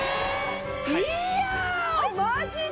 いやあマジで？